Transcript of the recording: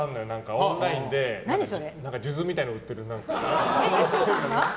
オンラインで数珠みたいなの売ってる。